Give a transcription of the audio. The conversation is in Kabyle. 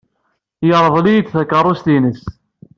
Yerḍel-iyi-d takeṛṛust-nnes.